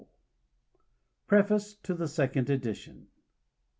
PREFACE TO THE SECOND EDITION.